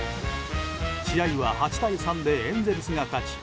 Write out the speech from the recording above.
試合は８対３でエンゼルスが勝ち